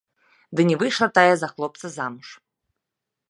Ды не выйшла тая за хлопца замуж.